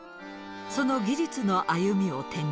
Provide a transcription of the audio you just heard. その技術の歩みを展示。